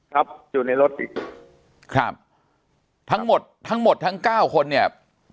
ครับอยู่ในรถอีกครับทั้งหมดทั้งหมดทั้งเก้าคนเนี่ย